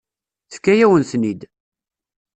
Tefka-yawen-ten-id.